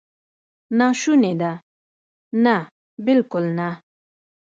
ناشونې ده؟ نه، بالکل نه!